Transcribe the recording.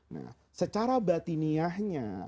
nah secara batinia nya